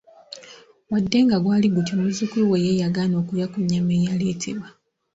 Wadde nga gwali gutyo, muzzukulu we ye yagaana okulya ku nnyama eyaleetebwa.